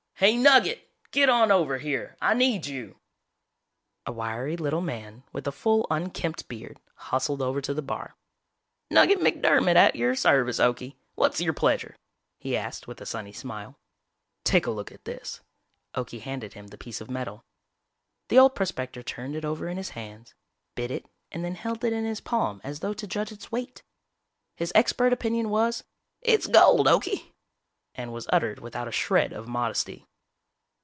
"Hey, Nugget! Get on over here, I need you!!" A wiry little man with a full, unkempt beard, hustled over to the bar. "Nugget McDermott at yer service, Okie! What's yer pleasure?" he asked with a sunny smile. "Take a look at this." Okie handed him the piece of metal. The old prospector turned it over in his hands, bit it and then held it in his palm as though to judge its weight. His expert opinion was, "It's gold, Okie," and was uttered without a shred of modesty.